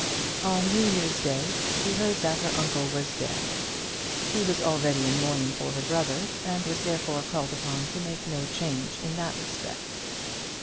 On New Year's Day she heard that her uncle was dead. She was already in mourning for her brother, and was therefore called upon to make no change in that respect.